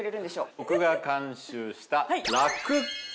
僕が監修した。